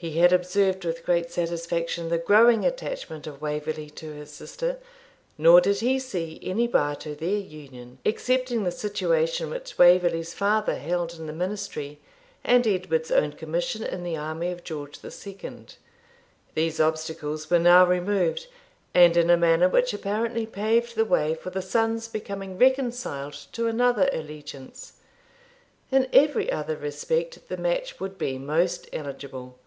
He had observed with great satisfaction the growing attachment of Waverley to his sister, nor did he see any bar to their union, excepting the situation which Waverley's father held in the ministry, and Edward's own commission in the army of George II. These obstacles were now removed, and in a manner which apparently paved the way for the son's becoming reconciled to another allegiance. In every other respect the match would be most eligible.